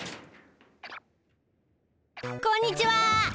こんにちは。